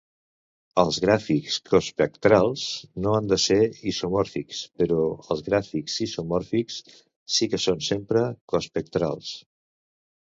Els gràfics cospectrals no han de ser isomòrfics, però els gràfics isomòrfics sí que són sempre cospectrals.